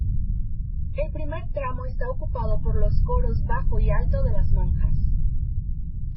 El primer tramo está ocupado por los coros bajo y alto de las monjas.